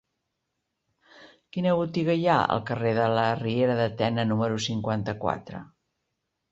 Quina botiga hi ha al carrer de la Riera de Tena número cinquanta-quatre?